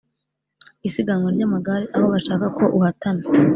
isiganwa ryamagare aho bashaka ko uhatana